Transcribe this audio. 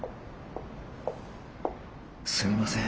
すみません。